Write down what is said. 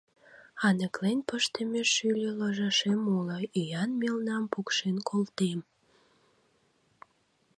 — Аныклен пыштыме шӱльӧ ложашем уло, ӱян мелнам пукшен колтем.